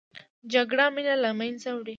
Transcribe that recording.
جګړه مینه له منځه وړي